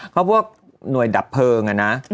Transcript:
เขาพวกหน่วยดับเพลิงอะนะ